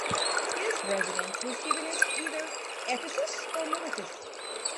His residence was given as either Ephesus or Miletus.